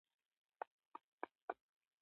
د ایران ژبې فارسي ده.